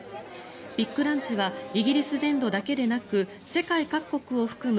ビッグランチはイギリス全土だけでなく世界各国を含む